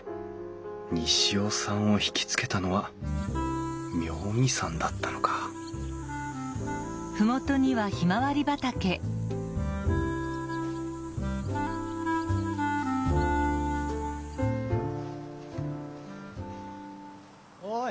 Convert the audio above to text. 西尾さんを引き付けたのは妙義山だったのかおい！